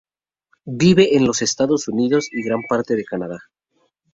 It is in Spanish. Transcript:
Vive en los Estados Unidos y gran parte de Canadá.